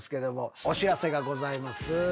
お知らせがございます。